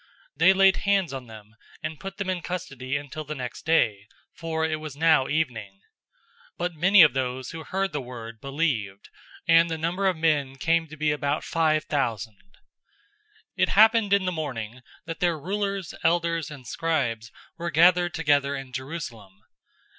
004:003 They laid hands on them, and put them in custody until the next day, for it was now evening. 004:004 But many of those who heard the word believed, and the number of the men came to be about five thousand. 004:005 It happened in the morning, that their rulers, elders, and scribes were gathered together in Jerusalem.